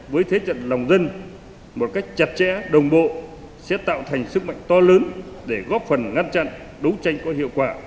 với thế trận lòng dân một cách chặt chẽ đồng bộ sẽ tạo thành sức mạnh to lớn để góp phần ngăn chặn đấu tranh có hiệu quả